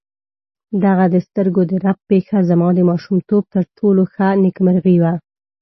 دغه د سترګو د رپ پېښه زما د ماشومتوب تر ټولو ښه نېکمرغي وه.